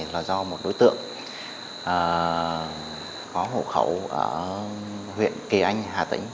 là do một đối tượng có hộ khẩu ở huyện kỳ anh hà tĩnh